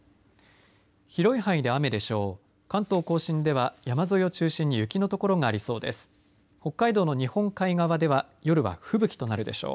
広い範囲で雨でしょう。